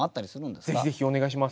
ぜひぜひお願いします。